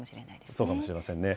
そうかもしれませんね。